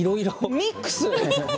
ミックス？